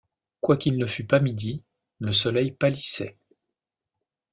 Quoiqu’il ne fût pas midi, le soleil pâlissait.